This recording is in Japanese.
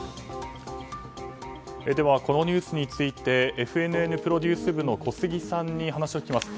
このニュースについてＦＮＮプロデュース部の小杉さんに話を聞きます。